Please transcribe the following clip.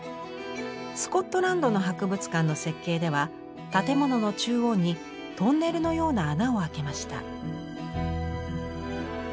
スコットランドの博物館の設計では建物の中央にトンネルのような孔をあけました。